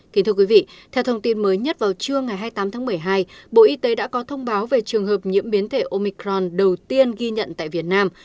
kính thưa quý vị theo thông tin mới nhất vào trưa ngày hai mươi tám tháng một mươi hai bộ y tế đã có thông báo về trường hợp nhiễm biến thể omicron đầu tiên ghi nhận tại việt nam